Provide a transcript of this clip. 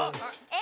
え？